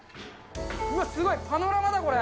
うわ、すごい、パノラマだ、これ。